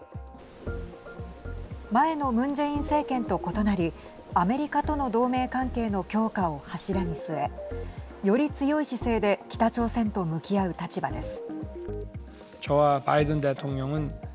前のムン・ジェイン政権と異なりアメリカとの同盟関係の強化を柱に据えより強い姿勢で北朝鮮と向き合う立場です。